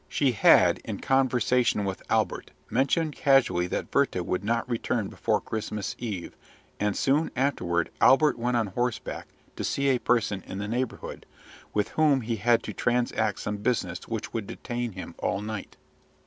She had, in conversation with Albert, mentioned casually that Werther would not return before Christmas Eve; and soon afterward Albert went on horseback to see a person in the neighbourhood, with whom he had to transact some business which would detain him all night.